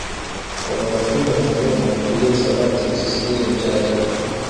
Wanauchumi wa mfumo hutilia hisabati msisitizo mchache